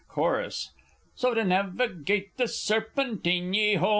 Chorus So to navigate the Serpentine, &c.